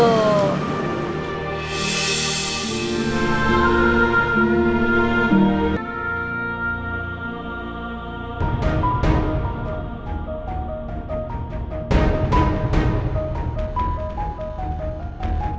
nah saya tak ada yang mau paham